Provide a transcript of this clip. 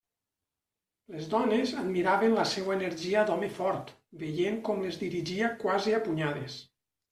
Les dones admiraven la seua energia d'home fort, veient com les dirigia quasi a punyades.